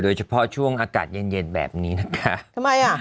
โดยเฉพาะช่วงอากาศเย็นเย็นแบบนี้นะคะทำไมอ่ะ